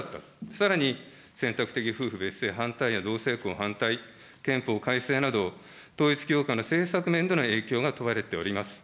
さらに、選択的夫婦別姓や、反対や、同性婚反対、憲法改正など、統一教会の政策面での影響が問われております。